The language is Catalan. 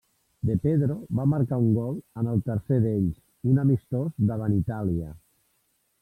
De Pedro va marcar un gol en el tercer d'ells, un amistós davant Itàlia.